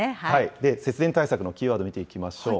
節電対策のキーワード見ていきましょう。